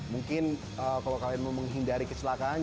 mungkin kalau kalian mau menghindari kecelakaan